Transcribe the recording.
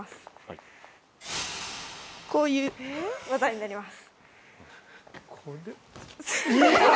こういう技になります。